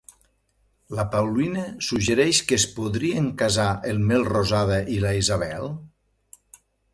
La Paulina suggereix que es podrien casar en Melrosada i la Isabel?